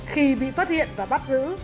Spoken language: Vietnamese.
khi bị phát hiện và bắt giữ